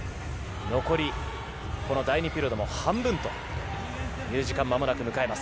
残り第２ピリオドも半分という時間を間もなく迎えます。